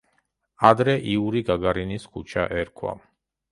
ადრე იური გაგარინის ქუჩა ერქვა.